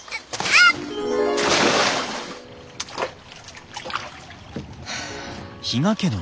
あっ。